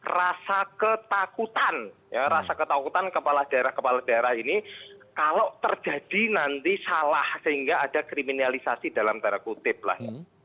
rasa ketakutan ya rasa ketakutan kepala daerah kepala daerah ini kalau terjadi nanti salah sehingga ada kriminalisasi dalam tanda kutip lah